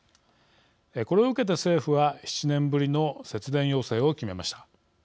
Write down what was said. これを受けて、政府は７年ぶりの節電要請を決めました。